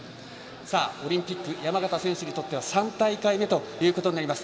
オリンピック山縣選手にとっては３大会目となります。